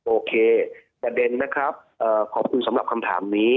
โอเคประเด็นนะครับขอบคุณสำหรับคำถามนี้